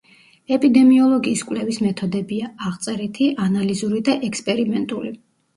ეპიდემიოლოგიის კვლევის მეთოდებია: აღწერითი, ანალიზური და ექსპერიმენტული.